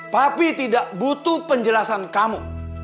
tapi tidak butuh penjelasan kamu